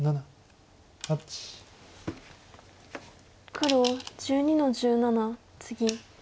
黒１２の十七ツギ。